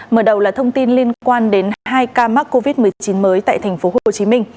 mở đầu là thông tin liên quan đến hai ca mắc covid một mươi chín mới tại tp hcm